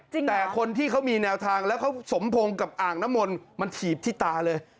จริงเหรอแต่คนที่เขามีแนวทางแล้วเขาสมพงกับอ่างนมลมันฉีบที่ตาเลย